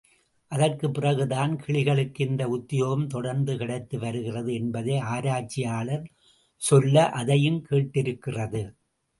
அதற்குப் பிறகு தான் கிளிகளுக்கு இந்த உத்தியோகம் தொடர்ந்து கிடைத்து வருகிறது என்பதை ஆராய்ச்சியாளர் சொல்ல அதையும் கேட்டிருக்கிறது.